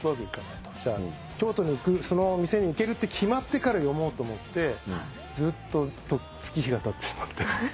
じゃあ京都に行くそのお店に行けるって決まってから読もうと思ってずっと月日がたってしまって。